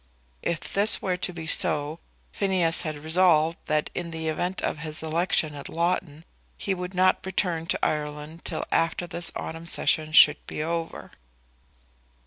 If this were to be so, Phineas had resolved that, in the event of his election at Loughton, he would not return to Ireland till after this autumn session should be over.